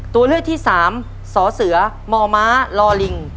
ตัวเลือกที่สามสอเสือมอม้ารอลิง